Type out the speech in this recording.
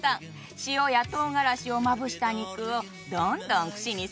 塩やとうがらしをまぶした肉をどんどん串に刺していく。